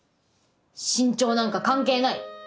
身長なんか関係ない！